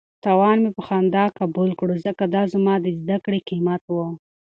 تاوان مې په خندا قبول کړ ځکه دا زما د زده کړې قیمت و.